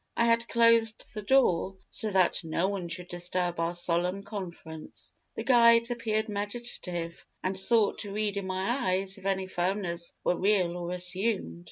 I had closed the door, so that no one should disturb our solemn conference. The guides appeared meditative, and sought to read in my eyes if my firmness were real or assumed.